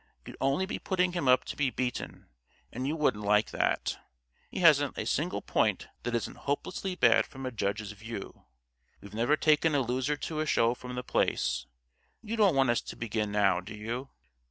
You'd only be putting him up to be beaten, and you wouldn't like that. He hasn't a single point that isn't hopelessly bad from a judge's view. We've never taken a loser to a show from The Place. You don't want us to begin now, do you?"